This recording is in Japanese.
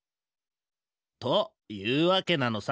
というわけなのさ。